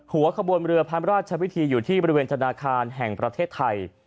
หัวขบวนเรือพระราชวิธีอยู่ที่บริเวณธนาคารแห่งประเทศไทย